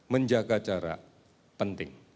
menjaga jarak penting